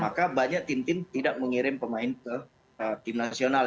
maka banyak tim tim tidak mengirim pemain ke tim nasional